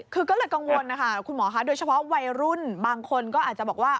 คือก็เลยกังวลนะคะคุณหมอค่ะโดยเฉพาะวัยรุ่นบางคนก็อาจจะบอกว่า